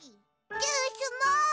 ジュースも！